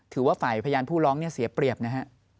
ถือว่าฝ่ายพยานผู้ร้องเสียเปรียบนะครับ